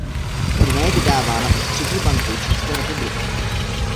Měna je vydávána Ústřední bankou Čínské republiky.